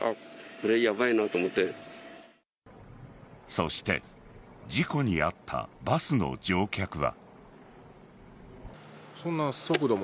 そして事故に遭ったバスの乗客は。